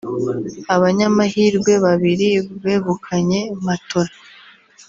abanyamahirwe babiri begukanye matola